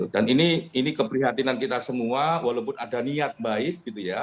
dan ini keprihatinan kita semua walaupun ada niat baik